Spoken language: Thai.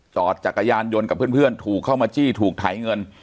จอดจักรยานยนต์กับเพื่อนถูกเข้ามาจี้ถูกไถเงิน